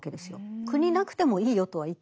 国なくてもいいよとは言ってないんです。